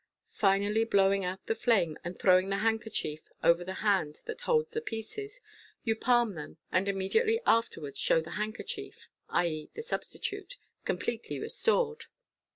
Finally, blow ing out the flame, and throwing the handkerchief over the hand that holds the pieces, you palm them, and immediately afterwards show the handkerchief {i.e., the substitute) completely restored.